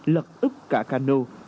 lật ức cả cano